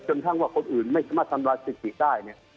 จนทั้งว่าคนอื่นไม่สามารถทำรายสถิติได้